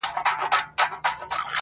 په دامنځ کي پیل هم لرو بر ځغستله!!